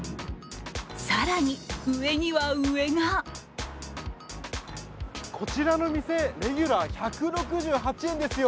更に、上には上がこちらの店、レギュラー１６８円ですよ。